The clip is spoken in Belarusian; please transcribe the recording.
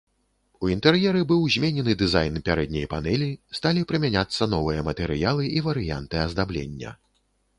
У інтэр'еры быў зменены дызайн пярэдняй панэлі, сталі прымяняцца новыя матэрыялы і варыянты аздаблення.